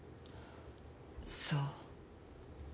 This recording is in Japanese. そう。